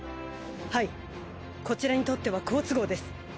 はいこちらにとっては好都合です。